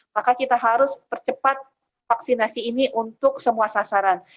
maka kita harus percepat vaksinasi ini untuk semua sasaran